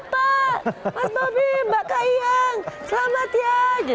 bapak jokowi mbak kayang selamat ya